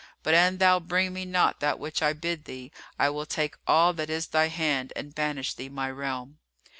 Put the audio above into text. But, an thou bring me not that which I bid thee, I will take all that is in thy hand and banish thee my realm."